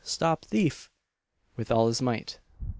Stop thief!" with all his might.